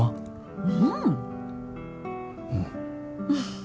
うん。